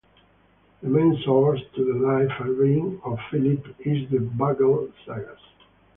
The main source to the life and reign of Philip is the Bagler sagas.